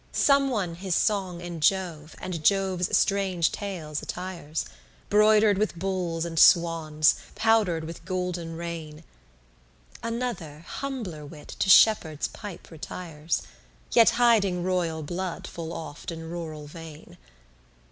Some one his song in Jove, and Jove's strange tales attires, Broidered with bulls and swans, powdered with golden rain; Another humbler wit to shepherd's pipe retires, Yet hiding royal blood full oft in rural vein.